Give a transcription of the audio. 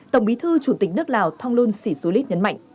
tổng bí thư chủ tịch nước lào thong lôn sĩ xu lít nhấn mạnh